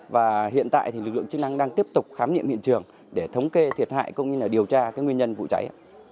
và hiện tại thì lực lượng chức năng đang tiếp tục khám nghiệm hiện trường để thống kê thiệt hại cũng như là điều tra nguyên nhân vụ cháy